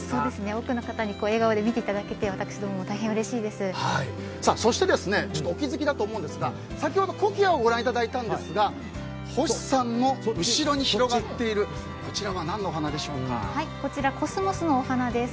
多くの方に笑顔で見ていただけて私どももそしてお気づきだと思うんですが先ほどコキアをご覧いただいたんですが星さんの後ろに広がっているこちらはコスモスのお花です。